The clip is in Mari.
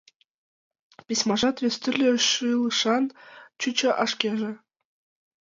Письмажат вес тӱрлӧ шӱлышан чучо, а шкеже...